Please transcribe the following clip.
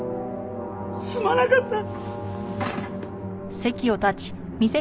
すまなかった！